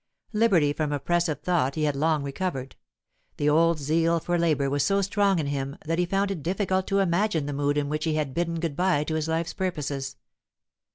Liberty from oppressive thought he had long recovered; the old zeal for labour was so strong in him that he found it difficult to imagine the mood in which he had bidden good bye to his life's purposes.